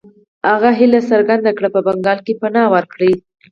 هغه هیله څرګنده کړه په بنګال کې پناه ورکړي.